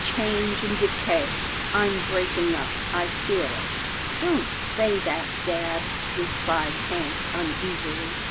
Change and decay — I'm breaking up. I feel it." " Don't say that, dad/' replied Hank uneasily.